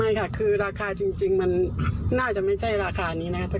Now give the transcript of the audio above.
ไม่ค่ะคือราคาจริงจริงมันน่าจะไม่ใช่ราคานี้นะคะถ้า